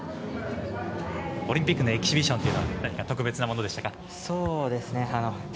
オリンピックのエキシビションというのは特別なものでしたか？